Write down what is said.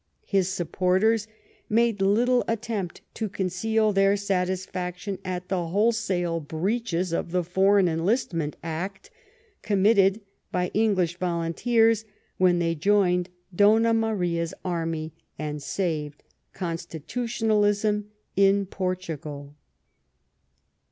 His supporters made little attempt to conceal their satisfaction at the wholesale breaches of the Foreign Enlistment Act committed by English volunteers when they joined Donna Marias army and saved constitutionalism in Portugal.